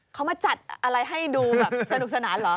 เขามาจัดอะไรให้ดูแบบสนุกสนานเหรอ